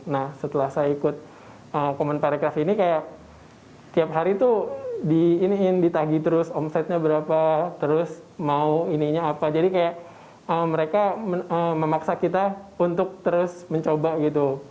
nah setelah saya ikut kemen parekraf ini kayak tiap hari tuh di iniin ditagi terus omsetnya berapa terus mau ininya apa jadi kayak mereka memaksa kita untuk terus mencoba gitu